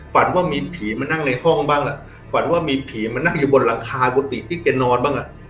ฝันว่ามีผีมานั่งในห้องบ้างล่ะฝันว่ามีผีมานั่งอยู่บนหลังคากุฏิที่แกนอนบ้างอ่ะ